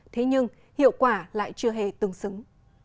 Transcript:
thế nhưng hiệu quả lại chưa hề tương xứng